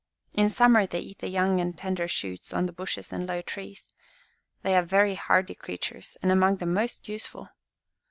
In summer they eat the young and tender shoots on the bushes and low trees. They are very hardy creatures and among the most useful."